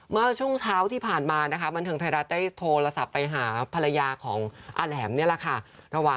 เมื่อช่วงเช้าที่ผ่านมานะคะบันเทิงไทยรัฐได้โทรศัพท์ไปหาภรรยาของอาแหลมนี่แหละค่ะ